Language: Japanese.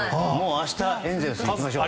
明日、エンゼルスに行きましょう！